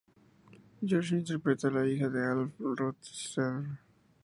Georgie interpreta a la hija de Alf, Ruth Stewart.